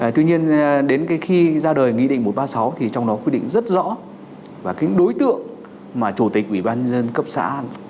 tuy nhiên đến khi ra đời nghị định một trăm ba mươi sáu thì trong đó quy định rất rõ và cái đối tượng mà chủ tịch ủy ban dân cấp xã